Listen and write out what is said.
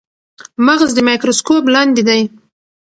مغز د مایکروسکوپ لاندې دی.